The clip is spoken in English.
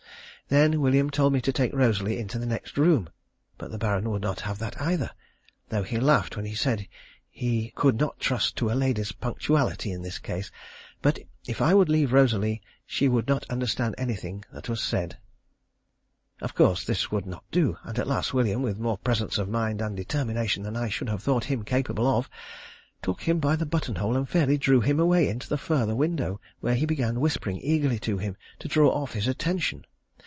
Then William told me to take Rosalie into the next room, but the Baron would not have that either, though he laughed when he said he could not trust to a lady's punctuality in this case, but if I would leave Rosalie she would not understand anything that was said. Of course this would not do, and at last William, with more presence of mind and determination than I should have thought him capable of, took him by the buttonhole and fairly drew him away into the further window, where he began whispering eagerly to him to draw off his attention.